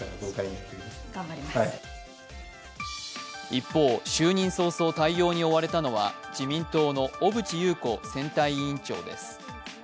一方、就任早々、対応に追われたのは自民党の小渕優子選対委員長です。